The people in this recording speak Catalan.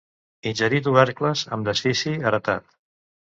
Ingerir tubercles amb desfici heretat.